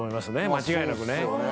間違いなくね。